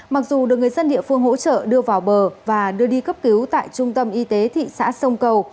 mặc dù được người dân địa phương hỗ trợ đưa vào bờ và đưa đi cấp cứu tại trung tâm y tế thị xã sông cầu